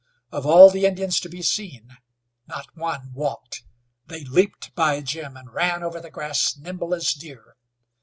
Of all the Indians to be seen not one walked. They leaped by Jim, and ran over the grass nimble as deer.